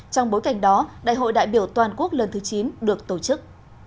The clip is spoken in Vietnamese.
trong bối cảnh đó đại hội đại biểu toàn quốc lần thứ chín được tổ chức